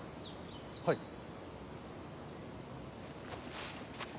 はい。